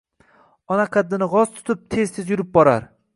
Ona qaddini g’oz tutib, teztez yurib borar